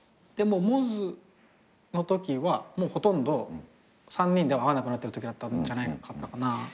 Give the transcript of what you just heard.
でも『ＭＯＺＵ』のときはもうほとんど３人では会わなくなってるときだったんじゃなかったかな。